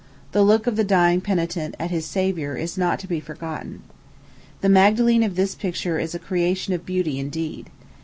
The look of the dying penitent at his Savior is not to be forgotten. The Magdalene of this picture is a creation of beauty indeed.